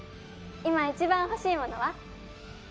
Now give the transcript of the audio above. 今一番欲しいものは？